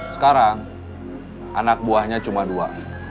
sekarang anak buahnya cuma dua